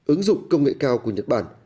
ứng dụng công nghệ cao của nhật bản